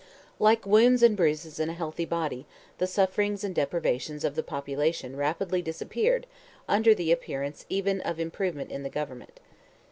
Like wounds and bruises in a healthy body, the sufferings and deprivations of the population rapidly disappeared under the appearance even of improvement in the government.